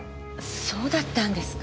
そうだったんですか。